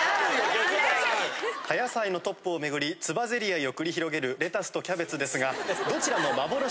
葉野菜のトップをめぐりつばぜり合いを繰り広げるレタスとキャベツですが。